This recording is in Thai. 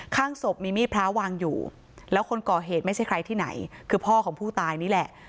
ข้างศพมีมีดพระวางอยู่แล้วคนก่อเหตุไม่ใช่ใครที่ไหนคือพ่อของผู้ตายนี่แหละ